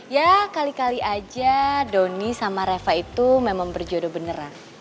ya kali kali aja doni sama reva itu memang berjodoh beneran